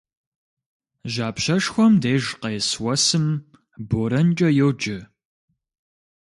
Жьапщэшхуэм деж къес уэсым борэнкӏэ йоджэ.